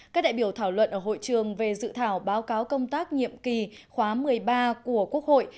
các đại biểu thảo luận ở hội trường về dự thảo báo cáo công tác nhiệm kỳ khóa một mươi ba của quốc hội